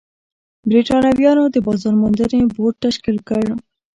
برېټانویانو د بازار موندنې بورډ تشکیل کړ.